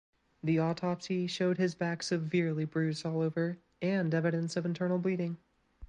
The autopsy showed his back severely bruised all over and evidence of internal bleeding.